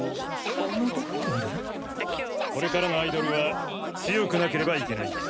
これからのアイドルは強くなければいけない。